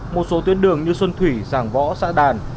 một số tuyến đường như xuân thủy giàng võ xã đàn